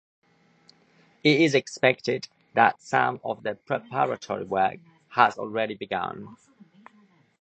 It is expected that some of the preparatory work has already begun.